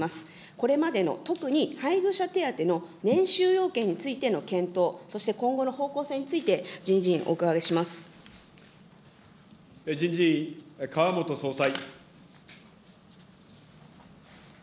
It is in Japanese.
これまでの、特に配偶者手当の年収要件についての検討、そして今後の方向性について、人事院、お人事院、川本総裁。